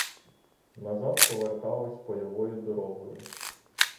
Назад повертались польовою дорогою.